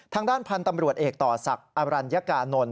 ทางด้านพันธุ์ตำรวจเอกต่อศักดิ์อรัญกานนท์